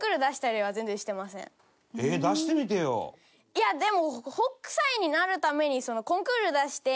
いやでも。